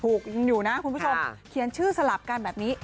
ยังอยู่นะคุณผู้ชมเขียนชื่อสลับกันแบบนี้